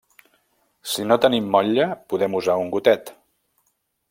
Si no tenim motle podem usar un gotet.